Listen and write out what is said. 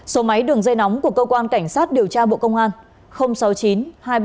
số máy đường dây nóng của cơ quan cảnh sát điều tra bộ công an